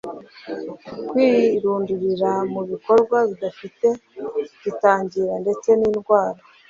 Kwirundurira mu bikorwa bidafite gitangira ndetse n’indwara